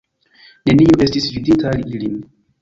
Neniu estis vidinta ilin.